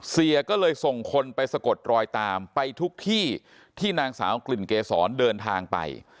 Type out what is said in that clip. เสียก็เลยส่งคนไปสะกดรอยตามไปทุกที่ที่นางสาวกลิ่นเกษรเดินทางไป